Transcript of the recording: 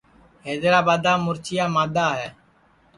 حیدرابادام مُرچیا مادَا ہے